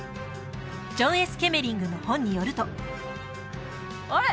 ジョン・エスケメリングの本によるとあれ？